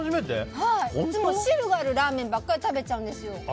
いつも汁があるラーメンばっかり食べちゃうんですよ。